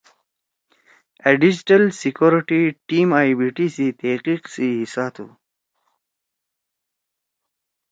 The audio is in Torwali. أ ڈیجیٹل سیکیوریٹی–ٹیم ائی بی ٹی سی تحقیق سی حصّہ تُھو۔